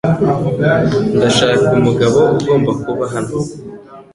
Ndashaka umugabo ugomba kuba hano.